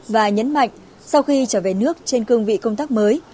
và nhấn mạnh sau khi trở về nước trên cương vị công tác mới